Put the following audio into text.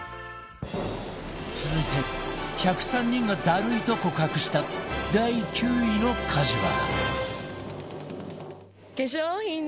続いて１０３人がダルいと告白した第９位の家事は